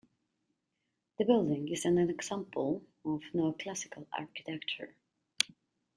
The building is an example of Neoclassical architecture.